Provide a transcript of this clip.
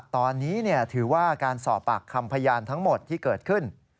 ตอนนี้ถือว่าการสอบปากคำพยานทั้งหมดที่เกิดขึ้น